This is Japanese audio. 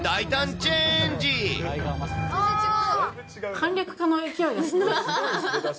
簡略化の勢いがすごい。